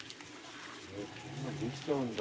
こんなできちゃうんだ。